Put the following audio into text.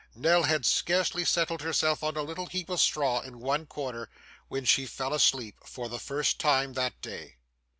Nell had scarcely settled herself on a little heap of straw in one corner, when she fell asleep, for the first time that day.